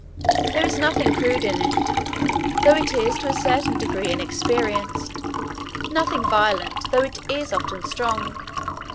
There is nothing crude in it, though it is to a certain degree inexperienced; nothing violent, though it is often strong.